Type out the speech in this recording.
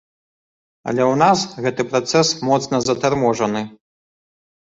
Але ў нас гэты працэс моцна затарможаны.